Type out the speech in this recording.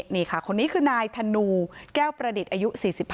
นี่ค่ะคนนี้คือนายธนูแก้วประดิษฐ์อายุ๔๕